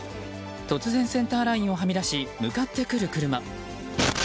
突然、センターラインをはみ出し向かってくる車。